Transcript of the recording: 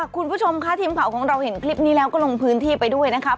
คุณผู้ชมค่ะทีมข่าวของเราเห็นคลิปนี้แล้วก็ลงพื้นที่ไปด้วยนะครับ